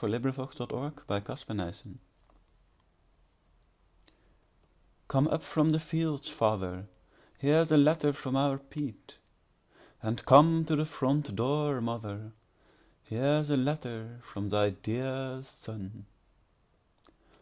Come up from the Fields, Father 1COME up from the fields, father, here's a letter from our Pete; And come to the front door, mother—here's a letter from thy dear son.